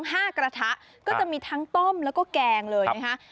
นี่พวกเราเรียกว่าร้านอะไรครับปกติเขาจะเรียกกัน